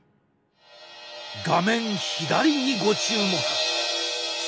画面左にご注目。